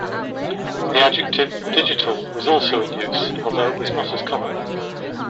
The adjective "digital" was also in use, although it was not as common.